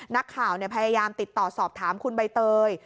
นักข่าวพยายามติดต่อสอบถามคุณใบเตย